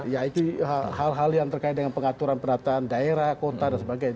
ya itu hal hal yang terkait dengan pengaturan perataan daerah kota dan sebagainya